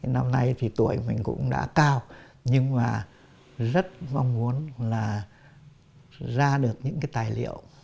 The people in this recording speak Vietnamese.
năm nay thì tuổi mình cũng đã cao nhưng mà rất mong muốn là ra được những cái tài liệu